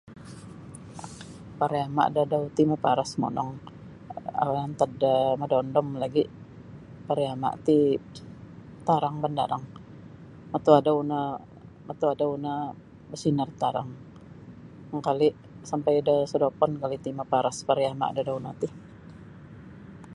Pariama' dadau ti maparas monong um antad da madondom lagi' pariama' ti tarang bandarang matuadau no matuadau no basinar tarang angkali' sampai da sodopon kali' ti maparas pariama' dadau no ti .